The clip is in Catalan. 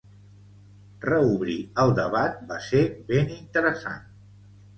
Reobrir el debat va ser ben interessant